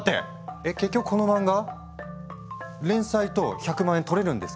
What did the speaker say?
えっ結局この漫画連載と１００万円取れるんですか？